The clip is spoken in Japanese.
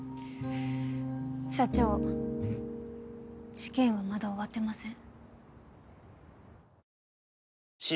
事件はまだ終わってません。